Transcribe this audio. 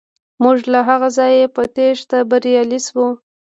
موږ له هغه ځایه په تیښته بریالي شو.